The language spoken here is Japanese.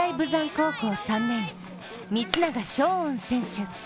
高校３年光永翔音選手。